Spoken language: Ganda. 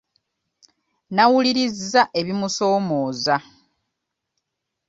Nnawulirizza ebimusoomooza.